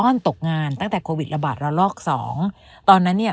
อนตกงานตั้งแต่โควิดระบาดระลอกสองตอนนั้นเนี่ย